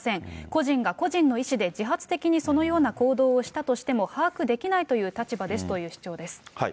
個人が個人の意思で自発的にそのような行動をしたとしても、把握できないという立場ですという主張です。